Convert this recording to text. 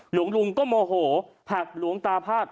หลวงลุงก็โมโหผลักหลวงตาพาด